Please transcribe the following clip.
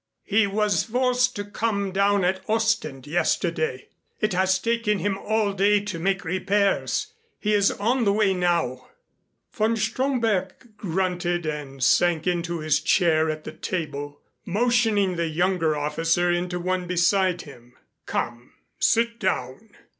"He was forced to come down at Ostend, yesterday. It has taken him all day to make repairs. He is on the way now." Von Stromberg grunted and sank into his chair at the table, motioning the younger officer into one beside him. "Come, sit down.